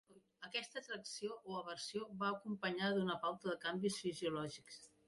Aquesta atracció o aversió va acompanyada d'una pauta de canvis fisiològics.